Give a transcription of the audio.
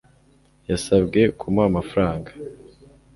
yasabwe kumuha amafaranga